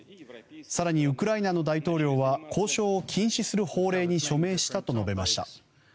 更にウクライナの大統領は交渉を禁止する法令に署名したと述べました。